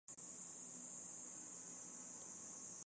测试过程受到严密监视并须通过质控。